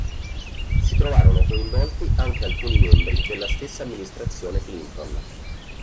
Si trovarono coinvolti anche alcuni membri della stessa amministrazione Clinton.